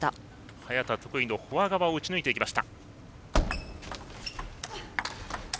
早田得意のフォア側を打ち抜いていきました。